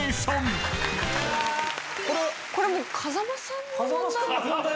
これもう風間さんの問題。